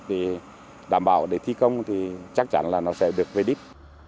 thì đảm bảo để thi công thì chắc chắn là nó sẽ được vây đít